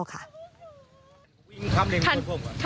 มีครับเลนมาชนเมื่อกี้รถสีดำกอบบะครับครับ